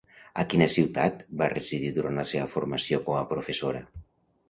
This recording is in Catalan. A quina ciutat va residir durant la seva formació com a professora?